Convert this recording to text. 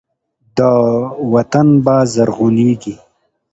دا وطن به زرغونیږي.